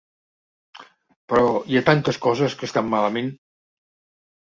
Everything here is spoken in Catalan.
Però, hi ha tantes coses que estan malament.